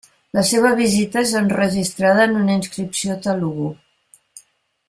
La seva visita és enregistrada en una inscripció telugu.